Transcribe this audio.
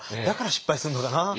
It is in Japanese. だから失敗するのかな。